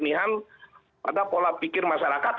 itu ada yang biasa lakukan